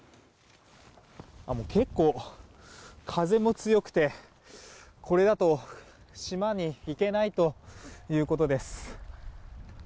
結構、風も強くてこれだと島に行けないということです。